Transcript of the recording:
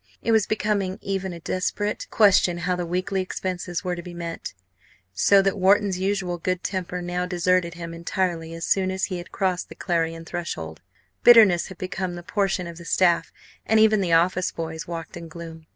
It was becoming even a desperate question how the weekly expenses were to be met; so that Wharton's usual good temper now deserted him entirely as soon as he had crossed the Clarion threshold; bitterness had become the portion of the staff, and even the office boys walked in gloom.